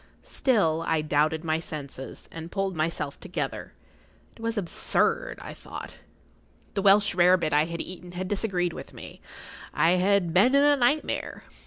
Still I doubted my senses, and pulled myself together. It was absurd, I thought. The Welsh rare bit I had eaten had disagreed with me. I had been in a nightmare.